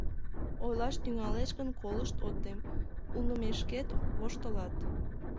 Ойлаш тӱҥалеш гын, колышт от тем, улнымешкет воштылат.